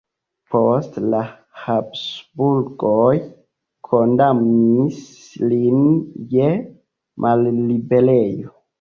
Poste la Habsburgoj kondamnis lin je malliberejo.